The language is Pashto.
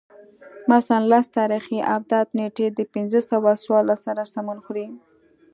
مثلاً لس تاریخي آبدات نېټې د پنځه سوه څوارلس سره سمون خوري